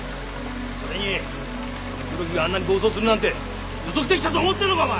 それに黒木があんなに暴走するなんて予測できたと思ってるのかお前！